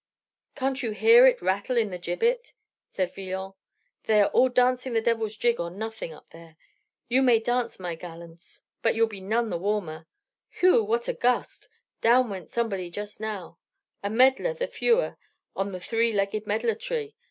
"Can't you hear it rattle in the gibbet?" said Villon. "They are all dancing the devil's jig on nothing, up there. You may dance, my gallants, you'll be none the warmer! Whew, what a gust! Down went somebody just now! A medlar the fewer on the three legged medlar tree!